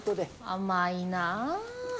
甘いなあ。